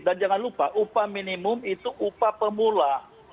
dan jangan lupa upah minimum itu upah pemula